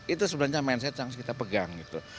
itu sebenarnya mindset yang harus kita pegang gitu